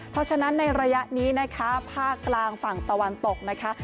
เพราะฉะนั้นในระยะนี้นะคะภาคกลางฝั่งตะวันตกนะคะ